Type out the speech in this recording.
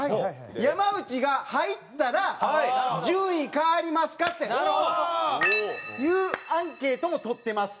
「山内が入ったら順位変わりますか？」っていうアンケートもとってます。